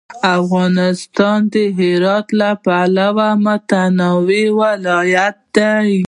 افغانستان د هرات له پلوه متنوع ولایت دی.